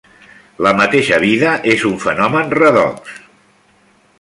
La mateixa vida és un fenomen redox.